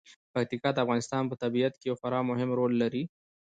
پکتیکا د افغانستان په طبیعت کې یو خورا مهم رول لري.